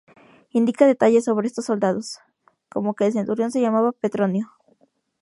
Indica detalles sobre estos soldados, como que el centurión se llamaba Petronio.